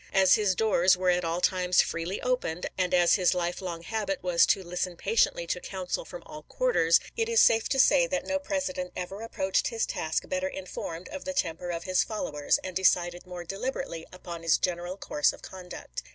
As his doors *were at all times freely opened, and as his life long habit was to listen patiently to counsel from all quarters, it is safe to say that no President ever approached his task better informed of the temper of his fol lowers, and decided more deliberately upon his general course of conduct.